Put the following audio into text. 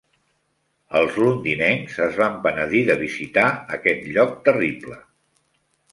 Els londinencs es van penedir de visitar aquest lloc terrible.